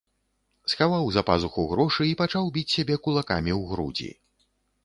Схаваў за пазуху грошы і пачаў біць сябе кулакамі ў грудзі.